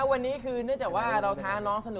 โอ้มันตกได้ไง